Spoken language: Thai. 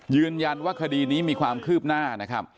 ยืนยันว่าคดีนี้มีความคืบหน้านะครับ